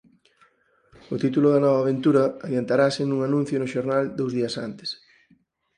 O título da nova aventura adiantárase nun anuncio no xornal dous días antes.